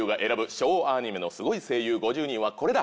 昭和アニメのスゴい声優５０人はこれだ！